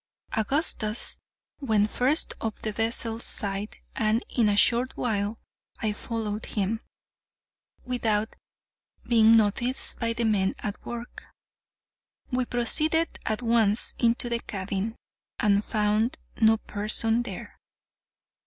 Augustus went first up the vessel's side, and in a short while I followed him, without being noticed by the men at work. We proceeded at once into the cabin, and found no person there.